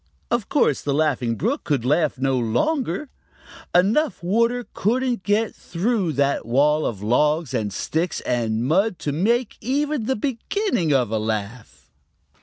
Of course the Laughing Brook could laugh no longer; there couldn't enough water get through that wall of logs and sticks and mud to make even the beginning of a laugh.